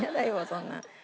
そんな。